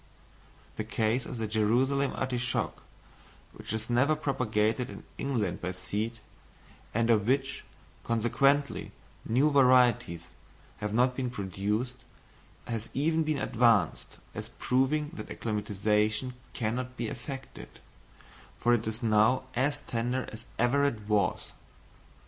The case of the Jerusalem artichoke, which is never propagated in England by seed, and of which, consequently, new varieties have not been produced, has even been advanced, as proving that acclimatisation cannot be effected, for it is now as tender as ever it was!